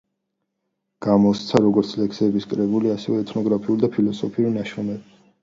გამოსცა, როგორც ლექსების კრებული, ასევე ეთნოგრაფიული და ფილოსოფიური ნაშრომები.